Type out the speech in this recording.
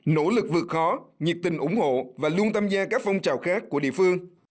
nỗ lực vượt khó nhiệt tình ủng hộ và luôn tham gia các phong trào khác của địa phương